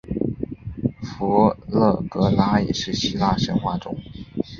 佛勒格拉也是希腊神话中。